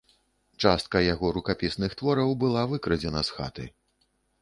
Частка яго рукапісных твораў была выкрадзена з хаты.